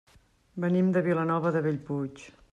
Venim de Vilanova de Bellpuig.